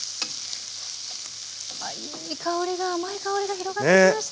ああいい香りが甘い香りが広がってきました。